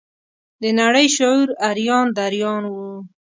د نړۍ شعور اریان دریان و.